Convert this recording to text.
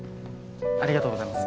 ありがとうございます。